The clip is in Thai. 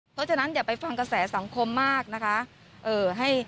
เพราะฉะนั้นอย่าไปฟังกระแสสังคมมากนะคะ